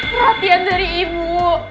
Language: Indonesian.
perhatian dari ibu